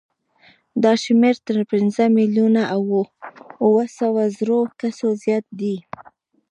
دا شمېر تر پنځه میلیونه او اوه سوه زرو کسو زیات دی.